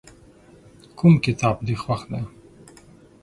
کوم کتاب دې خوښ دی.